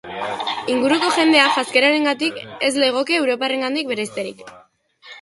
Inguruko jendea janzkeragatik ez legoke europarretatik bereizterik.